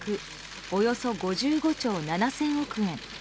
およそ５５兆７０００億円。